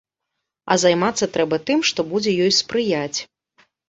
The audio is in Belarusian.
А займацца трэба тым, што будзе ёй спрыяць.